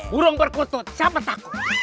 burung berkutut siapa takut